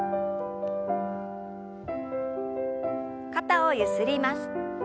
肩をゆすります。